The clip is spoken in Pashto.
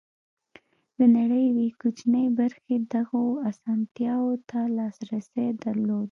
د نړۍ یوې کوچنۍ برخې دغو اسانتیاوو ته لاسرسی درلود.